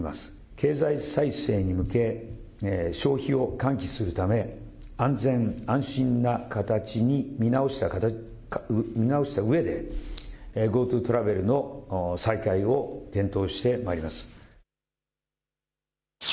経済再生に向け、消費を喚起するため、安全安心な形に見直したうえで、ＧｏＴｏトラベルの再開を検討してまいります。